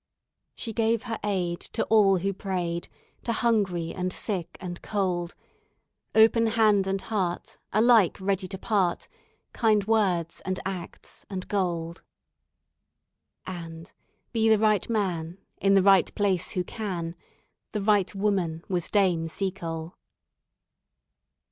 "She gave her aid to all who prayed, To hungry and sick and cold; Open hand and heart, alike ready to part Kind words and acts, and gold. "And be the right man in the right place who can The right woman was Dame Seacole."